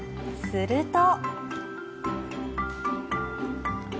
すると。